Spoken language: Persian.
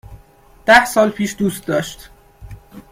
ده سال پیش دوست داشت"